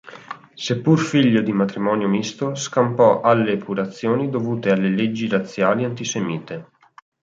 Seppur figlio di matrimonio misto, scampò alle epurazioni dovute alle leggi razziali antisemite.